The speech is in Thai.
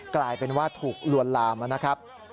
กลายเป็นว่าถูกลวนลามนะครับ